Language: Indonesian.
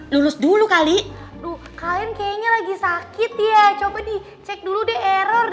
lurus dulu kali vividnya lagi sakit iya coba di cek dulu deh error